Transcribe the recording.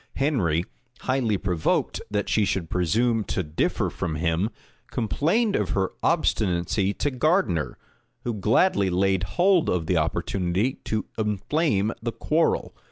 Henry, highly provoked that she should presume to differ from him, complained of her obstinacy to Gardiner, who gladly laid hold of the opportunity to inflame the quarrel.